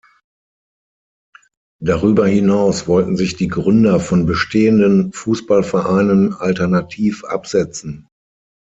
Darüber hinaus wollten sich die Gründer von bestehenden Fußballvereinen „alternativ“ absetzen.